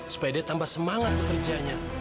supaya dia tambah semangat bekerjanya